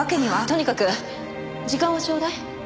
とにかく時間をちょうだい。